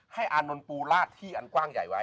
อานนท์ปูลาดที่อันกว้างใหญ่ไว้